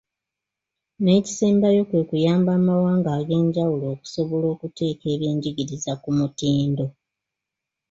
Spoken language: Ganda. N'ekisembayo kwe kuyamba amawanga ag'enjawulo okusobola okuteeka ebyenjigiriza ku mutindo.